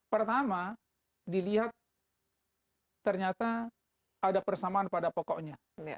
pertama dilihat ternyata ada persamaan pada pokoknya